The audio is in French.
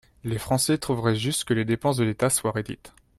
Les Français trouveraient juste que les dépenses de l’État soient réduites.